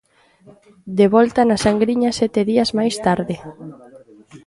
De volta na Sangriña sete días máis tarde.